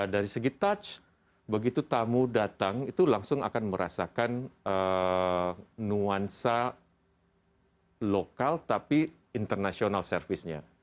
dari segi touch begitu tamu datang itu langsung akan merasakan nuansa lokal tapi international service nya